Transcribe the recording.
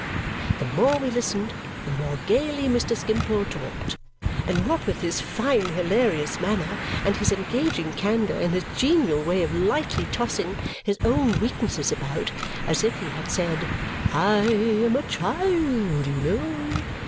The more we listened, the more gaily Mr. Skimpole talked. And what with his fine hilarious manner and his engaging candour and his genial way of lightly tossing his own weaknesses about, as if he had said, "I am a child, you know!